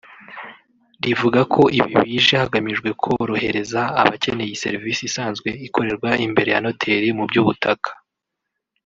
rivuga ko ibi bije hagamijwe korohereza abakeneye iyi serivise isanzwe ikorerwa imbere ya Noteri mu by’ubutaka